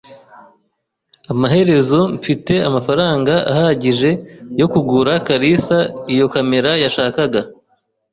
Amaherezo mfite amafaranga ahagije yo kugura kalisa iyo kamera yashakaga.